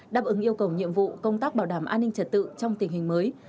đáp ứng yêu cầu nhiệm vụ công tác bảo đảm an ninh trật tự trong tình hình mới